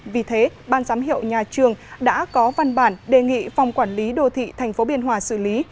vì thế ban giám hiệu nhà trường đã có văn bản đề nghị phòng quản lý đô thị tp biên hòa xử lý